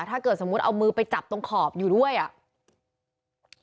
ถ้าเกิดสมมุติเอามือไปจับตรงขอบอยู่ด้วยอ่ะ